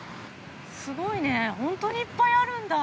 ◆すごいね、本当にいっぱいあるんだ。